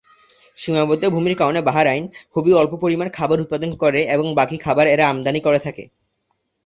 সীমাবদ্ধ ভূমির কারণে বাহরাইন খুবই অল্প পরিমাণ খাবার উৎপাদন করে এবং বাকি খাবার এরা আমদানী করে থাকে।